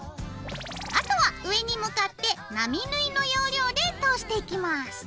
あとは上に向かって並縫いの要領で通していきます。